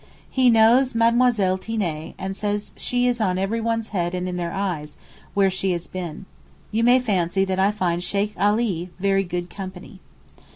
He knows Madlle. Tiné and says she is 'on everyone's head and in their eyes' where she has been. You may fancy that I find Sheykh Alee very good company.